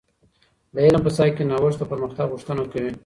د علم په ساحه کي نوښت د پرمختګ غوښتنه کوي.